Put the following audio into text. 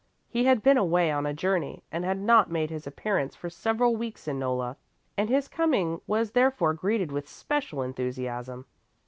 He had been away on a journey and had not made his appearance for several weeks in Nolla, and his coming was therefore greeted with special enthusiasm.